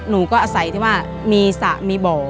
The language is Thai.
หนูก็อาศัยที่ว่ามีสระมีบ่อ